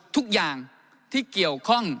ทุกอย่างที่เกี่ยวข้อง